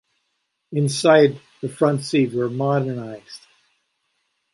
Inside, the front seats were modernized.